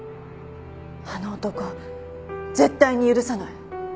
あの男絶対に許さない！